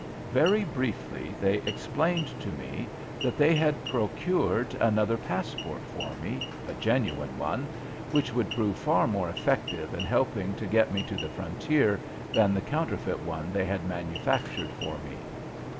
Very briefly they explained to me that they had procured another passport for me a genuine one which would prove far more effective in helping to get me to the frontier than the counterfeit one they had manufactured for me.